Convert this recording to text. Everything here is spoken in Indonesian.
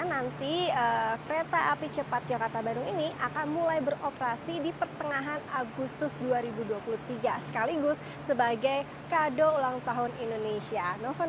nanti kereta api cepat jakarta bandung ini akan mulai beroperasi di pertengahan agustus dua ribu dua puluh tiga sekaligus sebagai kado ulang tahun indonesia